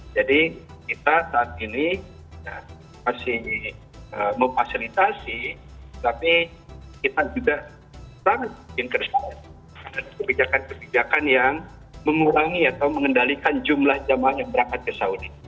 jadi kita saat ini masih memfasilitasi tapi kita juga tetap ingin kerjasama dengan kebijakan kebijakan yang mengurangi atau mengendalikan jumlah jamaah yang berangkat ke saudi